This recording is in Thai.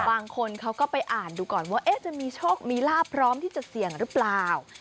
บางคนเขาก็ไปอ่านดูก่อนว่าจะมีโชคมีลาบพร้อมที่จะเสี่ยงหรือเปล่า